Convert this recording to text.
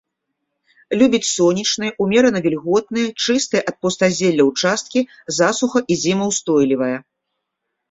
Любіць сонечныя, умерана вільготныя, чыстыя ад пустазелля ўчасткі, засуха- і зімаўстойлівая.